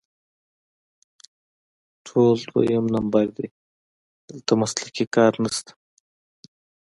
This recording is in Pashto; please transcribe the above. ټول دویم نمبر دي، دلته مسلکي کسان نشته